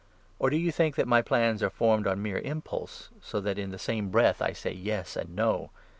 Or do you think that my plans are formed on mere impulse, so that in the same breath I say ' Yes ' and ' No